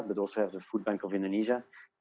tetapi juga bank makanan indonesia